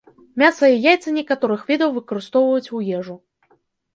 Мяса і яйцы некаторых відаў выкарыстоўваюць у ежу.